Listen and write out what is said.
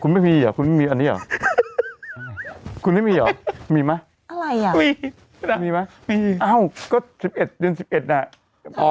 คุณไม่มีอ่ะคุณไม่มีอันนี้หรอคุณไม่มีหรอมีไหมมีไหมเอ้าดุล๑๑น่ะ